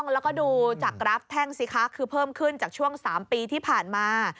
แล้วก็ดูจากกราฟแท่งสิคะคือเพิ่มขึ้นจากช่วง๓ปีที่ผ่านมา